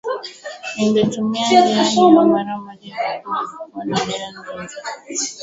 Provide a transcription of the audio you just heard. ingetumia njia hiyo mara moja iwapo walikuwa na nia nzuri